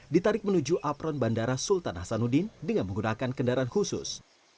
ditarik menuju apron bandara sultan hasanuddin dengan menggunakan kendaraan khusus